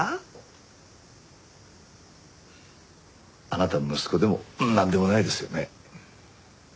あなた息子でもなんでもないですよね。